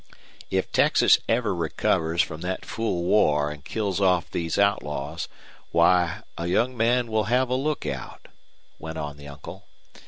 "If Texas ever recovers from that fool war an' kills off these outlaws, why, a young man will have a lookout," went on the uncle.